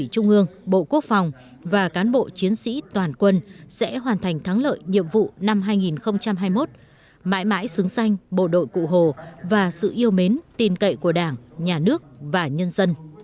trong bối cảnh tình hình an ninh chính trị thế giới khó lường